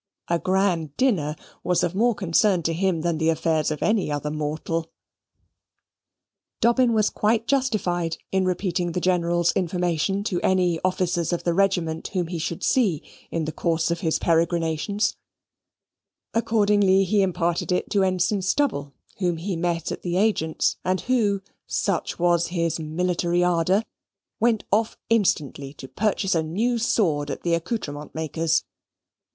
a grand dinner was of more concern to him than the affairs of any other mortal. Dobbin was quite justified in repeating the General's information to any officers of the regiment whom he should see in the course of his peregrinations; accordingly he imparted it to Ensign Stubble, whom he met at the agent's, and who such was his military ardour went off instantly to purchase a new sword at the accoutrement maker's.